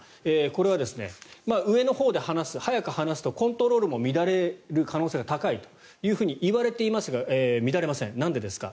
これは上のほうで離す速く離すとコントロールも乱れる可能性が高いといわれていますが乱れませんなんでですか。